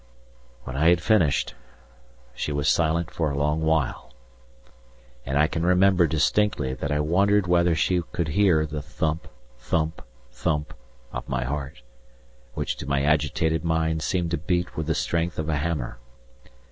When I had finished she was silent for a long while, and I can remember distinctly that I wondered whether she could hear the thump! thump! thump! of my heart, which to my agitated mind seemed to beat with the strength of a hammer.